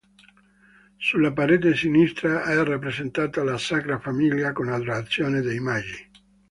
Sulla parete sinistra è rappresentata la "Sacra Famiglia con Adorazione dei Magi".